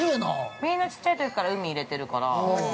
◆みんな小っちゃいときから海に入れてるから。